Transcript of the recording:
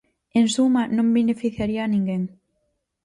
En suma, non beneficiaría a ninguén.